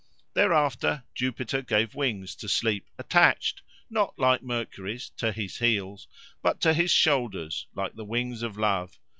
Thereafter, Jupiter gave wings to Sleep, attached, not, like Mercury's, to his heels, but to his shoulders, like the wings of Love.